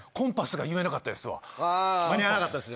間に合わなかったですね。